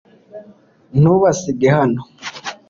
ntubasige hano